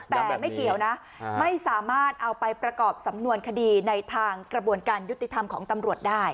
แต่ไม่เกี่ยวนะไม่สามารถเอาไปประกอบสำนวนคดีในทางกระบวนการยุติธรรมของตำรวจได้